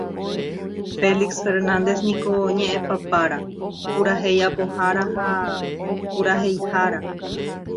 Félix Fernández niko ñe'ẽpapára, purahéi apohára ha puraheihára.